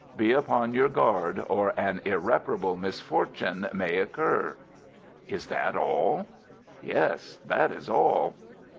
Be upon your guard, or an irreparable misfortune may occur.'" "Is that all?" "Yes, that is all."